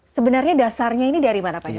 sebenarnya dasarnya ini dari mana pak